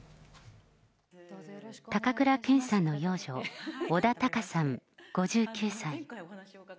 高倉健さんの養女、小田貴月さん、５９歳。